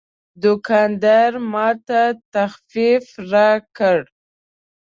دوکاندار ماته تخفیف راکړ.